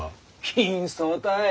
貧相たい。